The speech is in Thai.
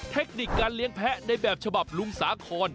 เทคนิคการเลี้ยงแพ้ในแบบฉบับลุงสาคอน